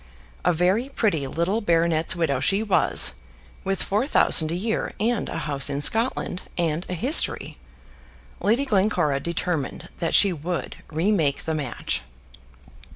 A very pretty little baronet's widow she was, with four thousand a year, and a house in Scotland, and a history. Lady Glencora determined that she would remake the match.